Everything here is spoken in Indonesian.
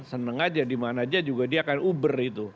senang saja di mana saja juga dia akan uber itu